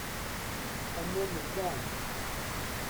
Aman llan.